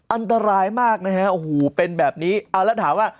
อันตรายมากนะฮะโอ้โหเป็นแบบนี้เอาแล้วถามว่า